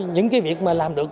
những việc mà làm được